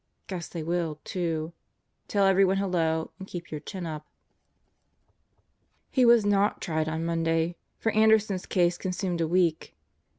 Guess they will, too. Tell everyone hello and keep your chin up. He was not tried on Monday; for Anderson's case consumed a week.